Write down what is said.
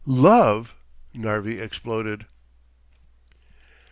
"Love!" Narvi exploded.